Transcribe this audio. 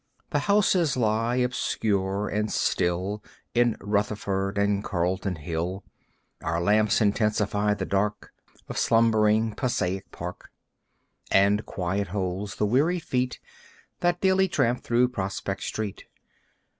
The houses lie obscure and still In Rutherford and Carlton Hill. Our lamps intensify the dark Of slumbering Passaic Park. And quiet holds the weary feet That daily tramp through Prospect Street.